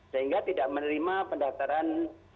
sehingga tidak menerima pendaftaran